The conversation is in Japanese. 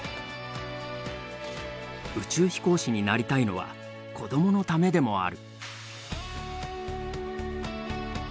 宇宙飛行士になりたいのは子どものためでもある。